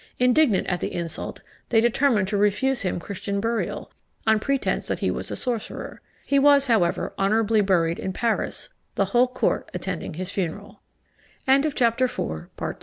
Indignant at the insult, they determined to refuse him Christian burial, on pretence that he was a sorcerer. He was, however, honourably buried in Paris, the whole court attending his funeral. NICHOLAS FLAMEL. The